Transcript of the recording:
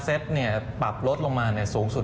ปรับลดลงมาสูงสุด